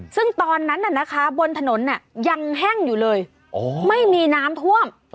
ซึ่งตอนนั้นบนถนนยังแห้งอยู่เลยไม่มีน้ำท่วม